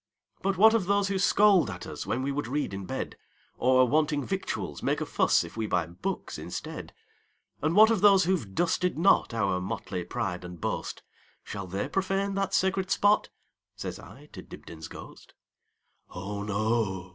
"But what of those who scold at usWhen we would read in bed? Or, wanting victuals, make a fussIf we buy books instead? And what of those who 've dusted notOur motley pride and boast,—Shall they profane that sacred spot?"Says I to Dibdin's ghost."Oh, no!